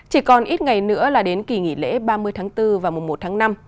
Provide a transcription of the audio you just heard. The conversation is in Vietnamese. chỉ còn ít ngày nữa là đến kỳ nghỉ lễ ba mươi tháng bốn và mùa một tháng năm